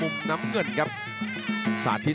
และแพ้๒๐ไฟ